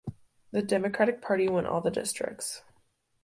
The Democratic Party won all the districts.